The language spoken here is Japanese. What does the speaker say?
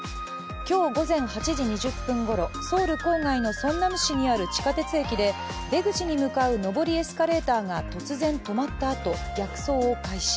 今日午前８時２０分ごろ、ソウル郊外のソンナム市にある地下鉄駅で出口に向かう上りエスカレーターが突然止まったあと、逆走を開始。